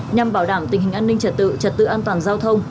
nhằm bảo đảm tình hình an ninh trật tự trật tự an toàn giao thông